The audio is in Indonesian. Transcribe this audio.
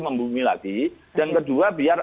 membumi lagi dan kedua biar